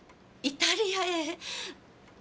イタリア！？